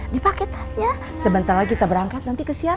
dipake tasnya sebentar lagi kita berangkat nanti kesialan